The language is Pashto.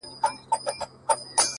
چي څوك تا نه غواړي،